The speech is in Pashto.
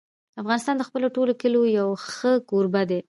افغانستان د خپلو ټولو کلیو یو ښه کوربه دی.